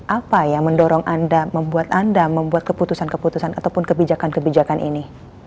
apa yang mendorong anda membuat anda membuat keputusan keputusan ataupun kebijakan kebijakan ini